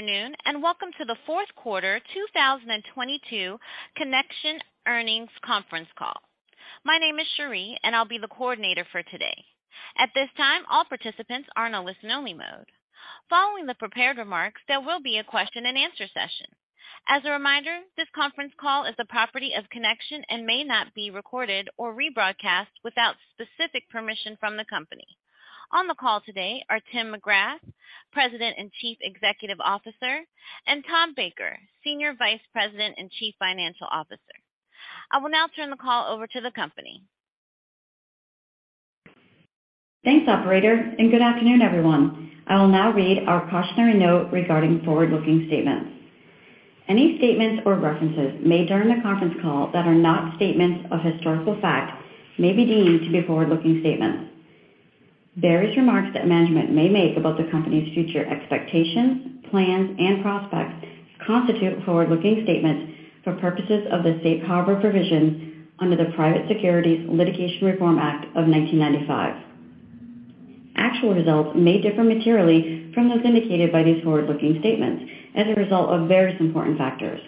Good afternoon. Welcome to the fourth quarter 2022 Connection earnings conference call. My name is Cherie, and I'll be the coordinator for today. At this time, all participants are in a listen-only mode. Following the prepared remarks, there will be a question-and-answer session. As a reminder, this conference call is the property of Connection and may not be recorded or rebroadcast without specific permission from the company. On the call today are Tim McGrath, President and Chief Executive Officer, and Tom Baker, Senior Vice President and Chief Financial Officer. I will now turn the call over to the company. Thanks, operator. Good afternoon, everyone. I will now read our cautionary note regarding forward-looking statements. Any statements or references made during the conference call that are not statements of historical fact may be deemed to be forward-looking statements. Various remarks that management may make about the company's future expectations, plans, and prospects constitute forward-looking statements for purposes of the Safe Harbor provision under the Private Securities Litigation Reform Act of 1995. Actual results may differ materially from those indicated by these forward-looking statements as a result of various important factors,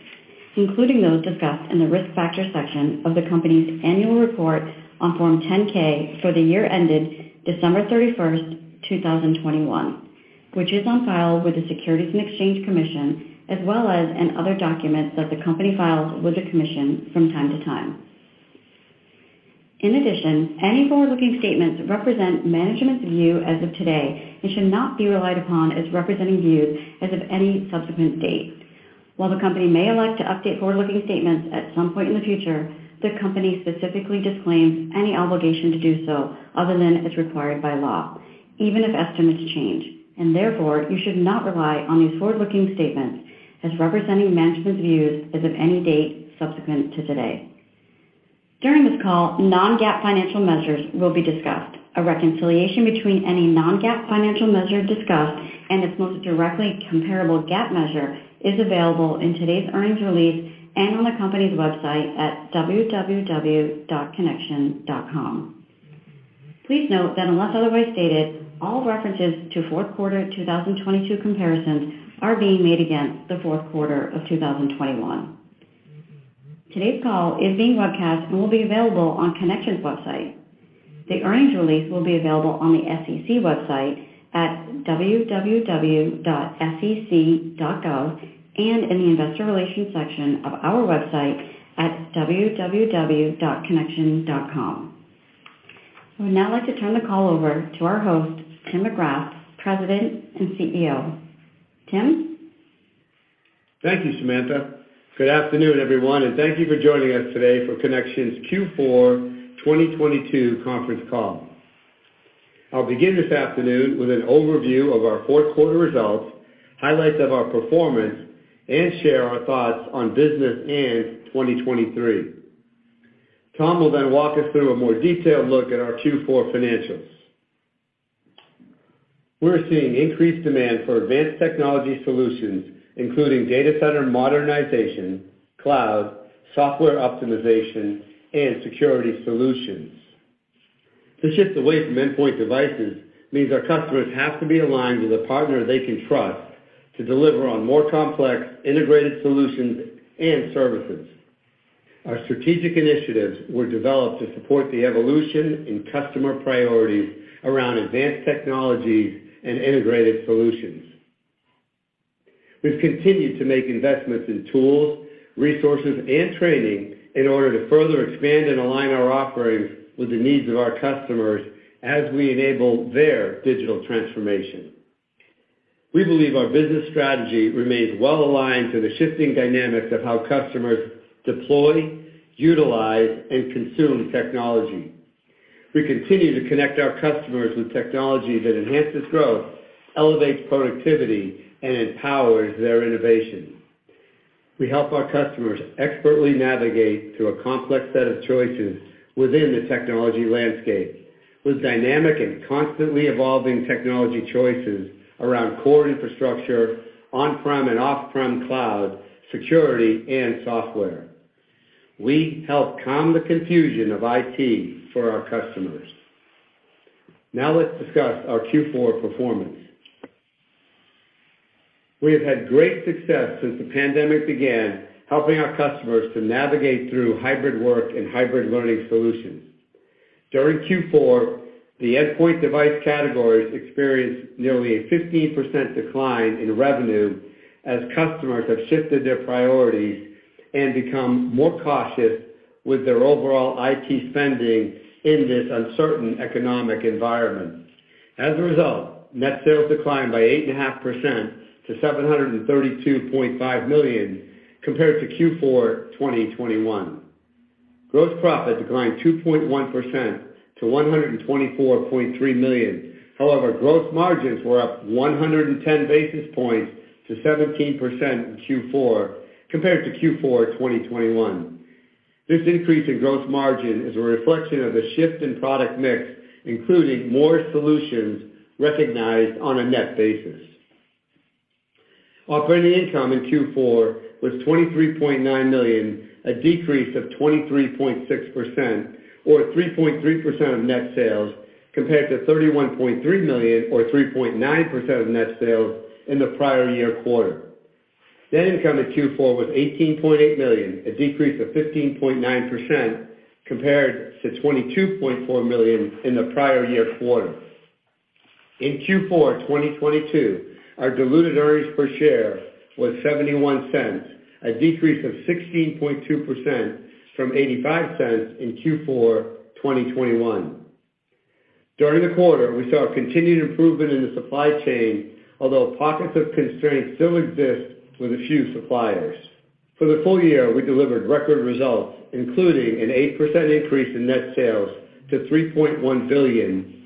including those discussed in the Risk Factors section of the company's annual report on Form 10-K for the year ended December 31st, 2021, which is on file with the Securities and Exchange Commission, as well as in other documents that the company files with the commission from time to time. In addition, any forward-looking statements represent management's view as of today and should not be relied upon as representing views as of any subsequent date. While the company may elect to update forward-looking statements at some point in the future, the company specifically disclaims any obligation to do so, other than as required by law, even if estimates change. Therefore, you should not rely on these forward-looking statements as representing management's views as of any date subsequent to today. During this call, non-GAAP financial measures will be discussed. A reconciliation between any non-GAAP financial measure discussed and its most directly comparable GAAP measure is available in today's earnings release and on the company's website at www.connection.com. Please note that unless otherwise stated, all references to fourth quarter 2022 comparisons are being made against the fourth quarter of 2021. Today's call is being broadcast and will be available on Connection's website. The earnings release will be available on the SEC website at www.sec.gov and in the investor relations section of our website at www.connection.com. I would now like to turn the call over to our host, Tim McGrath, President and CEO. Tim? Thank you, Samantha. Good afternoon, everyone, and thank you for joining us today for Connection's Q4 2022 conference call. I'll begin this afternoon with an overview of our fourth quarter results, highlights of our performance, and share our thoughts on business and 2023. Tom will walk us through a more detailed look at our Q4 financials. We're seeing increased demand for advanced technology solutions, including data center modernization, cloud, software optimization, and security solutions. The shift away from endpoint devices means our customers have to be aligned with a partner they can trust to deliver on more complex integrated solutions and services. Our strategic initiatives were developed to support the evolution in customer priorities around advanced technologies and integrated solutions. We've continued to make investments in tools, resources, and training in order to further expand and align our offerings with the needs of our customers as we enable their digital transformation. We believe our business strategy remains well-aligned to the shifting dynamics of how customers deploy, utilize, and consume technology. We continue to connect our customers with technology that enhances growth, elevates productivity, and empowers their innovation. We help our customers expertly navigate through a complex set of choices within the technology landscape with dynamic and constantly evolving technology choices around core infrastructure, on-prem and off-prem cloud, security, and software. We help calm the confusion of IT for our customers. Let's discuss our Q4 performance. We have had great success since the pandemic began, helping our customers to navigate through hybrid work and hybrid learning solutions. During Q4, the endpoint device categories experienced nearly a 15% decline in revenue as customers have shifted their priorities and become more cautious with their overall IT spending in this uncertain economic environment. As a result, net sales declined by 8.5% to $732.5 million compared to Q4 2021. Gross profit declined 2.1% to $124.3 million. However, gross margins were up 110 basis points to 17% in Q4 compared to Q4 2021. This increase in gross margin is a reflection of the shift in product mix, including more solutions recognized on a net basis. Operating income in Q4 was $23.9 million, a decrease of 23.6% or 3.3% of net sales, compared to $31.3 million or 3.9% of net sales in the prior year quarter. Net income in Q4 was $18.8 million, a decrease of 15.9% compared to $22.4 million in the prior year quarter. In Q4 of 2022, our diluted earnings per share was $0.71, a decrease of 16.2% from $0.85 in Q4 2021. During the quarter, we saw a continued improvement in the supply chain, although pockets of constraints still exist with a few suppliers. For the full year, we delivered record results, including an 8% increase in net sales to $3.1 billion,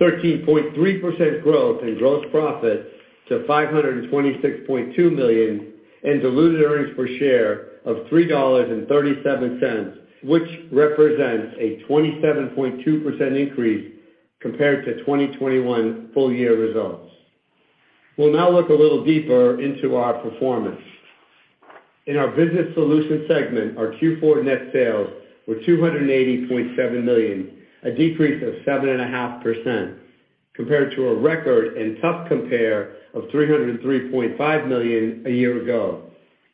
13.3% growth in gross profit to $526.2 million, and diluted earnings per share of $3.37, which represents a 27.2% increase compared to 2021 full year results. We'll now look a little deeper into our performance. In our Business Solutions segment, our Q4 net sales were $280.7 million, a decrease of 7.5% compared to a record and tough compare of $303.5 million a year ago.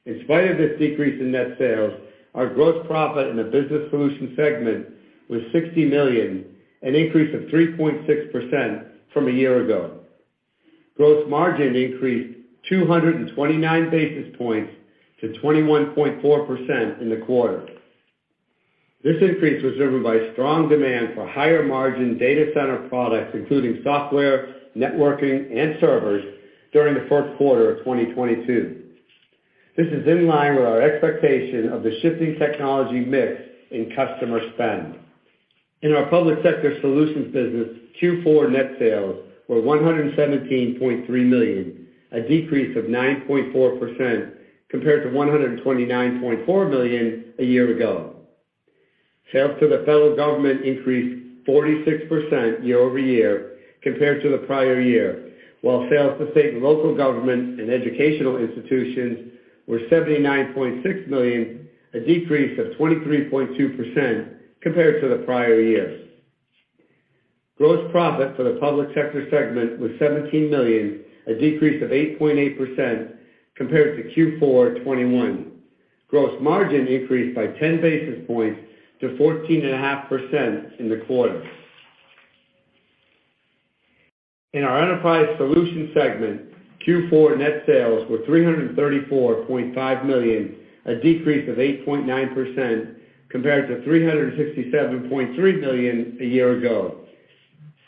In spite of this decrease in net sales, our gross profit in the Business Solutions segment was $60 million, an increase of 3.6% from a year ago. Gross margin increased 229 basis points to 21.4% in the quarter. This increase was driven by strong demand for higher margin data center products, including software, networking, and servers during the first quarter of 2022. This is in line with our expectation of the shifting technology mix in customer spend. In our public sector solutions business, Q4 net sales were $117.3 million, a decrease of 9.4% compared to $129.4 million a year ago. Sales to the federal government increased 46% year-over-year compared to the prior year, while sales to state and local government and educational institutions were $79.6 million, a decrease of 23.2% compared to the prior year. Gross profit for the public sector segment was $17 million, a decrease of 8.8% compared to Q4 2021. Gross margin increased by 10 basis points to 14.5% in the quarter. In our enterprise solutions segment, Q4 net sales were $334.5 million, a decrease of 8.9% compared to $367.3 million a year ago.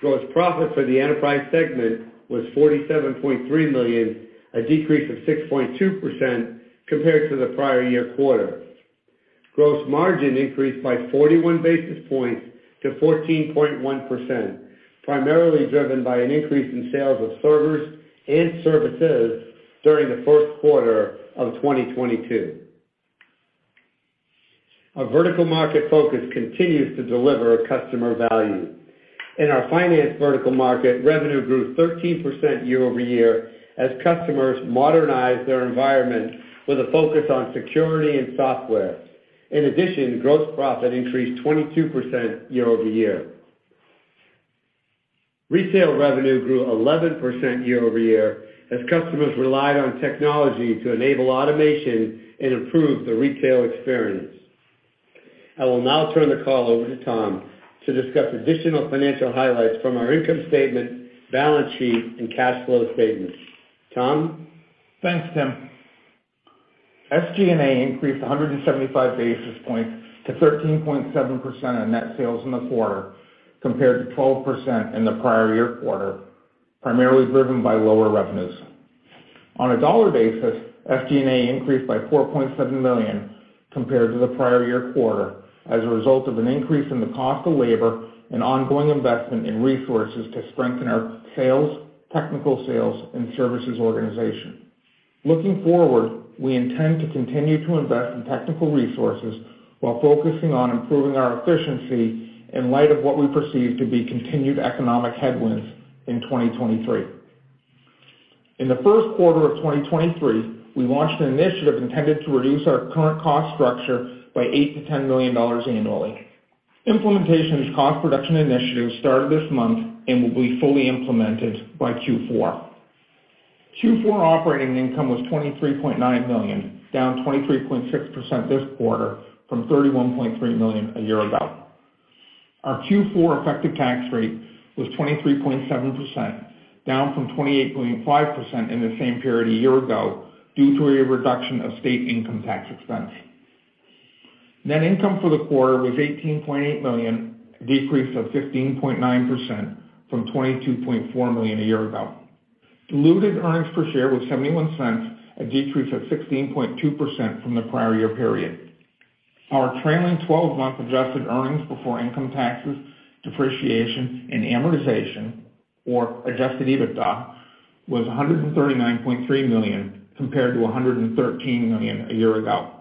Gross profit for the enterprise segment was $47.3 million, a decrease of 6.2% compared to the prior year quarter. Gross margin increased by 41 basis points to 14.1%, primarily driven by an increase in sales of servers and services during the first quarter of 2022. Our vertical market focus continues to deliver customer value. In our finance vertical market, revenue grew 13% year-over-year as customers modernized their environment with a focus on security and software. In addition, gross profit increased 22% year-over-year. Retail revenue grew 11% year-over-year as customers relied on technology to enable automation and improve the retail experience. I will now turn the call over to Tom to discuss additional financial highlights from our income statement, balance sheet, and cash flow statements. Tom? Thanks, Tim. SG&A increased 175 basis points to 13.7% of net sales in the quarter, compared to 12% in the prior year quarter, primarily driven by lower revenues. On a dollar basis, SG&A increased by $4.7 million compared to the prior year quarter as a result of an increase in the cost of labor and ongoing investment in resources to strengthen our sales, technical sales, and services organization. Looking forward, we intend to continue to invest in technical resources while focusing on improving our efficiency in light of what we perceive to be continued economic headwinds in 2023. In the first quarter of 2023, we launched an initiative intended to reduce our current cost structure by $8 million-$10 million annually. Implementation of this cost reduction initiative started this month and will be fully implemented by Q4. Q4 operating income was $23.9 million, down 23.6% this quarter from $31.3 million a year ago. Our Q4 effective tax rate was 23.7%, down from 28.5% in the same period a year ago, due to a reduction of state income tax expense. Net income for the quarter was $18.8 million, a decrease of 15.9% from $22.4 million a year ago. Diluted earnings per share was $0.71, a decrease of 16.2% from the prior year period. Our trailing twelve-month adjusted earnings before income taxes, depreciation, and amortization, or adjusted EBITDA, was $139.3 million compared to $113 million a year ago,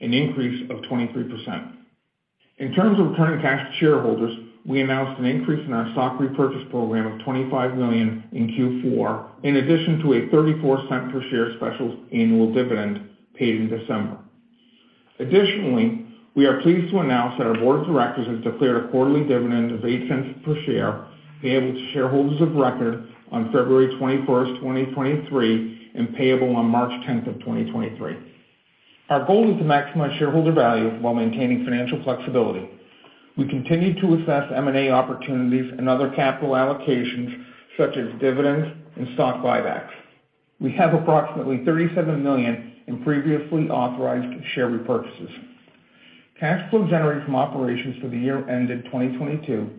an increase of 23%. In terms of returning cash to shareholders, we announced an increase in our stock repurchase program of $25 million in Q4, in addition to a $0.34 per share special annual dividend paid in December. We are pleased to announce that our board of directors has declared a quarterly dividend of $0.08 per share, payable to shareholders of record on February 21st, 2023, and payable on March 10th, 2023. Our goal is to maximize shareholder value while maintaining financial flexibility. We continue to assess M&A opportunities and other capital allocations, such as dividends and stock buybacks. We have approximately $37 million in previously authorized share repurchases. Cash flow generated from operations for the year ended 2022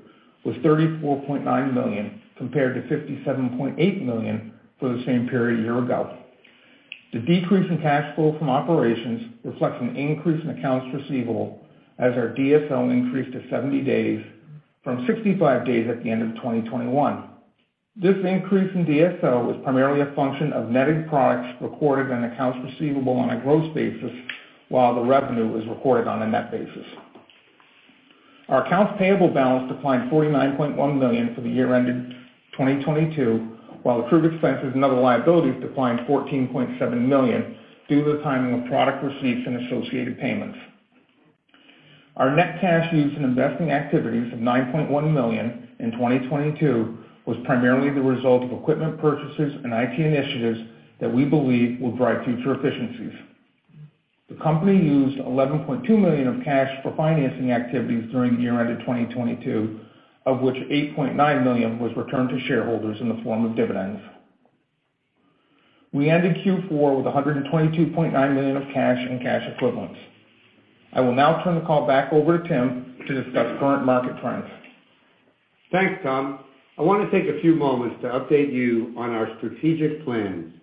was $34.9 million, compared to $57.8 million for the same period a year ago. The decrease in cash flow from operations reflects an increase in accounts receivable as our DSO increased to 70 days from 65 days at the end of 2021. This increase in DSO was primarily a function of netted products recorded on accounts receivable on a gross basis, while the revenue was recorded on a net basis. Our accounts payable balance declined $49.1 million for the year ended 2022, while accrued expenses and other liabilities declined $14.7 million due to the timing of product receipts and associated payments. Our net cash used in investing activities of $9.1 million in 2022 was primarily the result of equipment purchases and IT initiatives that we believe will drive future efficiencies. The company used $11.2 million of cash for financing activities during the year ended 2022, of which $8.9 million was returned to shareholders in the form of dividends. We ended Q4 with $122.9 million of cash and cash equivalents. I will now turn the call back over to Tim to discuss current market trends. Thanks, Tom. I want to take a few moments to update you on our strategic plans.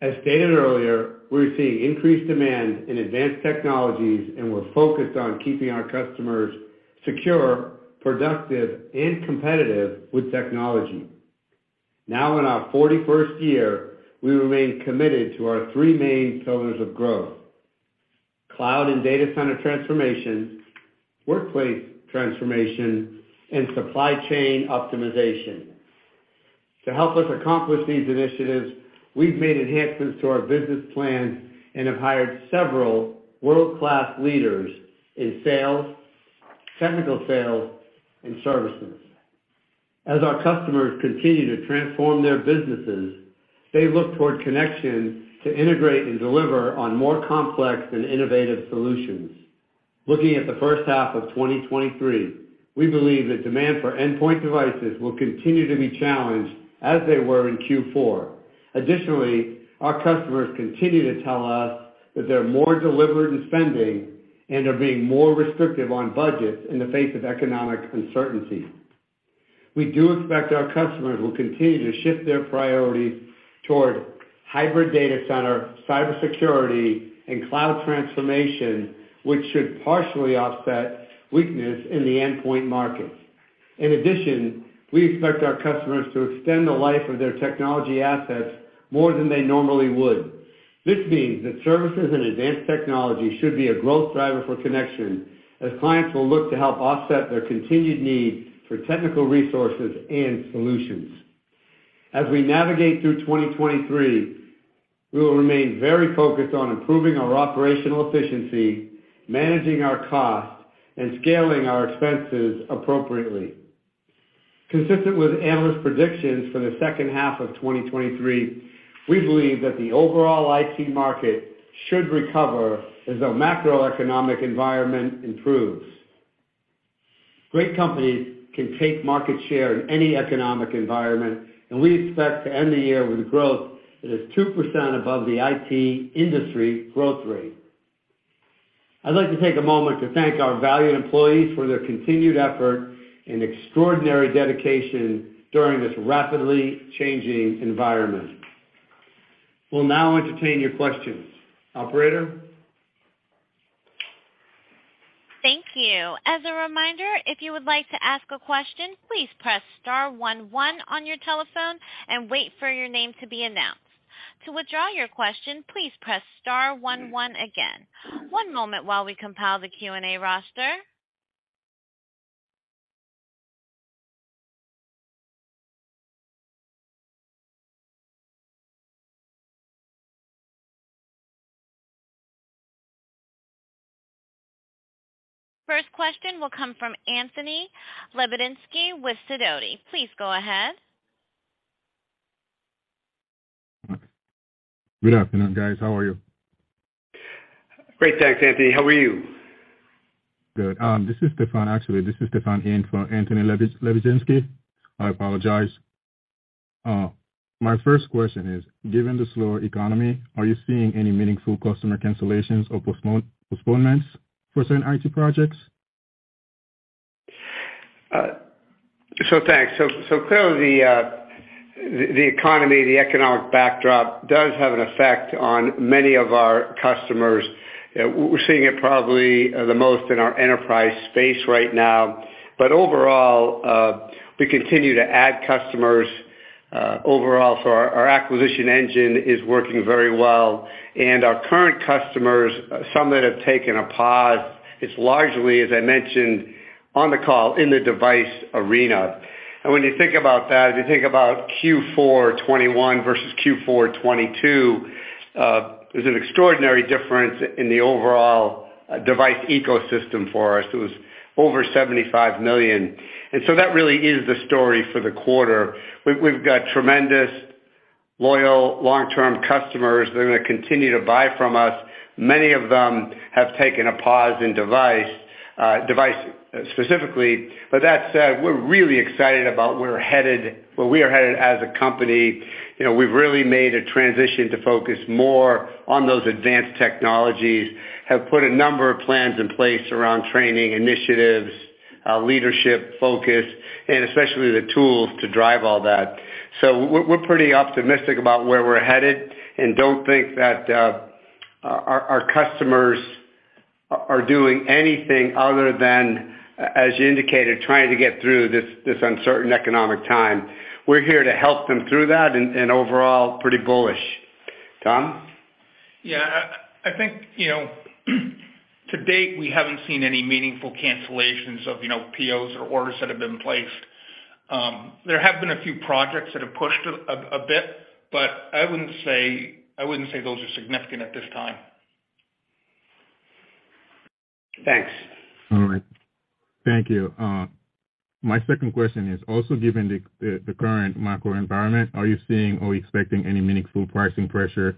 As stated earlier, we're seeing increased demand in advanced technologies, and we're focused on keeping our customers secure, productive, and competitive with technology. Now, in our 41st year, we remain committed to our three main pillars of growth: cloud and data center transformation, workplace transformation, and supply chain optimization. To help us accomplish these initiatives, we've made enhancements to our business plans and have hired several world-class leaders in sales, technical sales, and services. As our customers continue to transform their businesses, they look toward Connection to integrate and deliver on more complex and innovative solutions. Looking at the first half of 2023, we believe that demand for endpoint devices will continue to be challenged as they were in Q4. Additionally, our customers continue to tell us that they're more deliberate in spending and are being more restrictive on budgets in the face of economic uncertainty. We do expect our customers will continue to shift their priorities toward hybrid data center, cybersecurity, and cloud transformation, which should partially offset weakness in the endpoint markets. In addition, we expect our customers to extend the life of their technology assets more than they normally would. This means that services and advanced technology should be a growth driver for Connection, as clients will look to help offset their continued need for technical resources and solutions. As we navigate through 2023, we will remain very focused on improving our operational efficiency, managing our costs, and scaling our expenses appropriately. Consistent with analyst predictions for the second half of 2023, we believe that the overall IT market should recover as the macroeconomic environment improves. Great companies can take market share in any economic environment. We expect to end the year with growth that is 2% above the IT industry growth rate. I'd like to take a moment to thank our valued employees for their continued effort and extraordinary dedication during this rapidly changing environment. We'll now entertain your questions. Operator? Thank you. As a reminder, if you would like to ask a question, please press star one one on your telephone and wait for your name to be announced. To withdraw your question, please press star one one again. One moment while we compile the Q&A roster. First question will come from Anthony Lebiedzinski with Sidoti. Please go ahead. Good afternoon, guys. How are you? Great, thanks, Anthony. How are you? Good. This is Stefan. Actually, this is Stefan in for Anthony Lebiedzinski. I apologize. My first question is, given the slower economy, are you seeing any meaningful customer cancellations or postponements for certain IT projects? Thanks. Clearly, the economy, the economic backdrop does have an effect on many of our customers. We're seeing it probably the most in our enterprise space right now. Overall, we continue to add customers overall. Our acquisition engine is working very well. Our current customers, some that have taken a pause, it's largely, as I mentioned on the call in the device arena. When you think about that, if you think about Q4 2021 versus Q4 2022, there's an extraordinary difference in the overall device ecosystem for us. It was over $75 million. That really is the story for the quarter. We've got tremendous loyal long-term customers that are gonna continue to buy from us. Many of them have taken a pause in device specifically. That said, we're really excited about where we're headed where we are headed as a company. You know, we've really made a transition to focus more on those advanced technologies, have put a number of plans in place around training initiatives, leadership focus, and especially the tools to drive all that. We're pretty optimistic about where we're headed and don't think that our customers are doing anything other than, as you indicated, trying to get through this uncertain economic time. We're here to help them through that and overall pretty bullish. Tom? Yeah. I think, you know, to date, we haven't seen any meaningful cancellations of, you know, POs or orders that have been placed. There have been a few projects that have pushed a bit. I wouldn't say those are significant at this time. Thanks. All right. Thank you. My second question is also given the current macro environment, are you seeing or expecting any meaningful pricing pressure?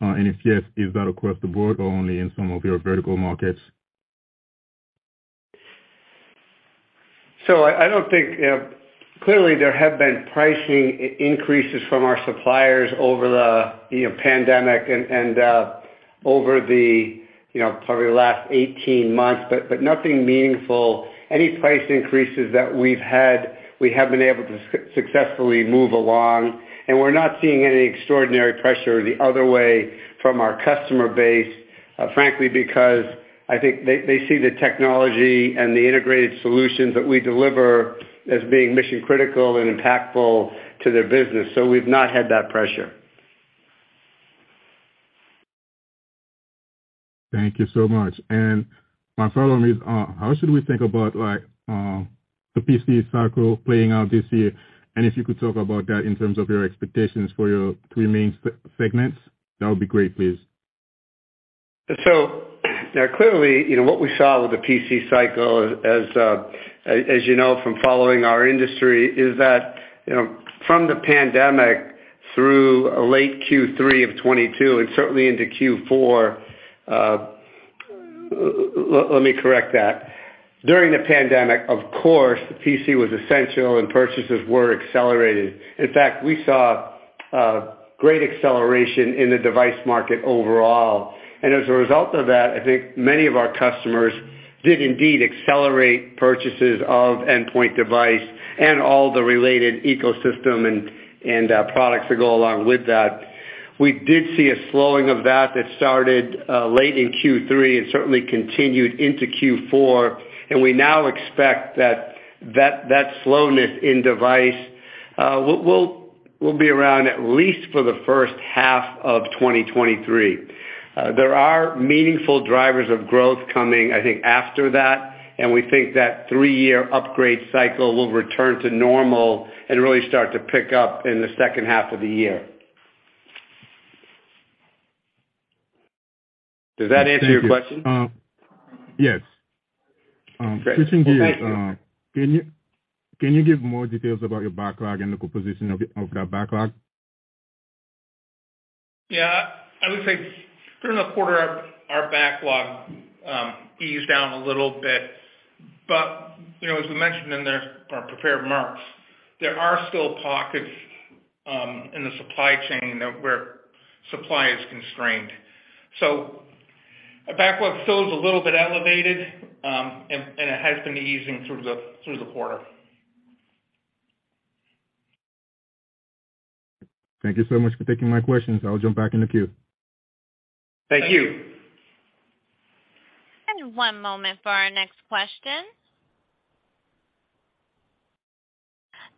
If yes, is that across the board or only in some of your vertical markets? Clearly there have been pricing increases from our suppliers over the, you know, pandemic and over the, you know, probably last 18 months, but nothing meaningful. Any price increases that we've had, we have been able to successfully move along, and we're not seeing any extraordinary pressure the other way from our customer base, frankly, because I think they see the technology and the integrated solutions that we deliver as being mission-critical and impactful to their business. We've not had that pressure. Thank you so much. My follow-on is, how should we think about like, the PC cycle playing out this year? If you could talk about that in terms of your expectations for your three main segments, that would be great, please. Clearly, you know, what we saw with the PC cycle as you know, from following our industry is that, you know, from the pandemic through late Q3 of '22 and certainly into Q4. Let me correct that. During the pandemic, of course, PC was essential and purchases were accelerated. In fact, we saw great acceleration in the device market overall. As a result of that, I think many of our customers did indeed accelerate purchases of endpoint device and all the related ecosystem and products that go along with that. We did see a slowing of that started late in Q3 and certainly continued into Q4, and we now expect that slowness in device will be around at least for the first half of 2023. There are meaningful drivers of growth coming, I think, after that, and we think that three-year upgrade cycle will return to normal and really start to pick up in the second half of the year. Does that answer your question? Thank you. Yes. Great. Switching gears. Well, thank you. Can you give more details about your backlog and the composition of that backlog? Yeah. I would say during the quarter our backlog eased down a little bit. You know, as we mentioned in our prepared remarks, there are still pockets in the supply chain that where supply is constrained. Our backlog still is a little bit elevated and it has been easing through the quarter. Thank you so much for taking my questions. I'll jump back in the queue. Thank you. One moment for our next question.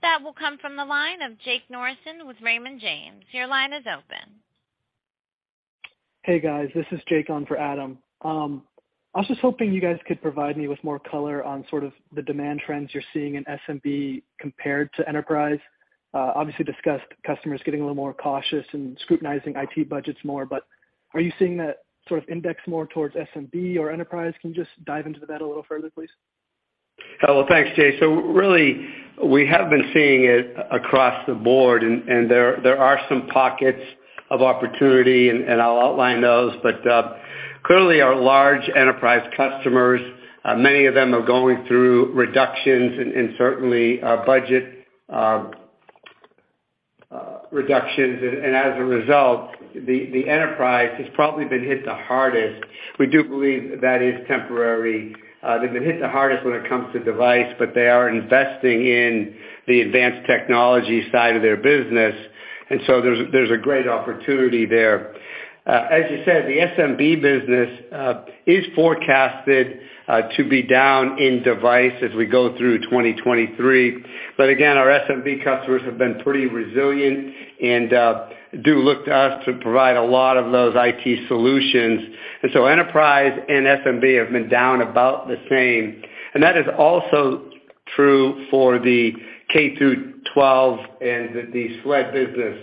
That will come from the line of Jake Norrison with Raymond James. Your line is open. Hey, guys, this is Jake on for Adam. I was just hoping you guys could provide me with more color on sort of the demand trends you're seeing in SMB compared to enterprise. Obviously discussed customers getting a little more cautious and scrutinizing IT budgets more. Are you seeing that sort of index more towards SMB or enterprise? Can you just dive into that a little further, please? Well, thanks, Jake Norrison. Really we have been seeing it across the board and there are some pockets of opportunity and I'll outline those. Clearly our large enterprise customers, many of them are going through reductions and certainly budget reductions. As a result, the enterprise has probably been hit the hardest. We do believe that is temporary. They've been hit the hardest when it comes to device, but they are investing in the advanced technology side of their business, and so there's a great opportunity there. As you said, the SMB business is forecasted to be down in device as we go through 2023. Again, our SMB customers have been pretty resilient and do look to us to provide a lot of those IT solutions. enterprise and SMB have been down about the same. That is also-True for the K-12 and the SLED business.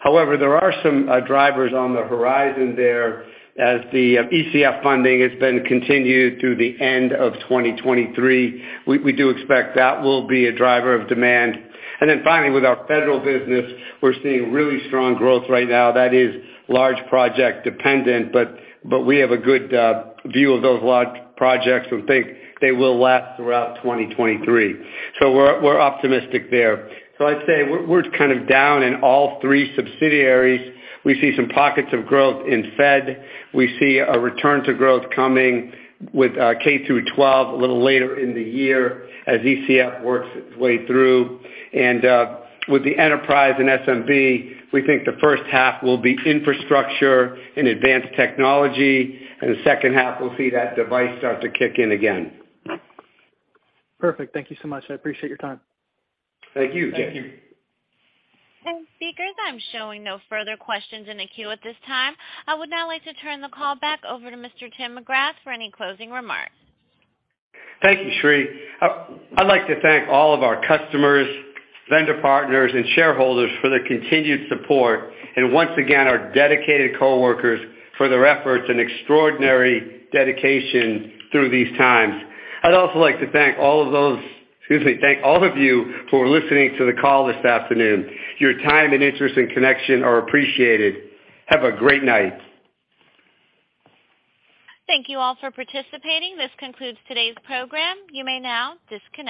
However, there are some drivers on the horizon there as the ECF funding has been continued through the end of 2023. We do expect that will be a driver of demand. Finally, with our federal business, we're seeing really strong growth right now that is large project dependent, but we have a good view of those large projects and think they will last throughout 2023. We're optimistic there. I'd say we're kind of down in all three subsidiaries. We see some pockets of growth in Fed. We see a return to growth coming with K-12 a little later in the year as ECF works its way through. With the enterprise and SMB, we think the first half will be infrastructure and advanced technology, and the second half, we'll see that device start to kick in again. Perfect. Thank you so much. I appreciate your time. Thank you, Jeff. Thank you. Speakers, I'm showing no further questions in the queue at this time. I would now like to turn the call back over to Mr. Tim McGrath for any closing remarks. Thank you, Cherie. I'd like to thank all of our customers, vendor partners, and shareholders for their continued support and once again, our dedicated coworkers for their efforts and extraordinary dedication through these times. I'd also like to thank all of those, excuse me, thank all of you who are listening to the call this afternoon. Your time and interest and Connection are appreciated. Have a great night. Thank you all for participating. This concludes today's program. You may now disconnect.